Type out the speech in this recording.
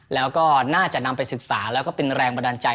แล้วก็น่าจะนำไปศึกษาแล้วก็เป็นแรงบันดาลใจ